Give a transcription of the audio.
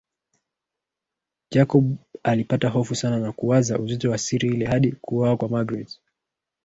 Jacob alipata hofu sana na kuwaza uzito wa siri ile hadi kuuawa kwa magreth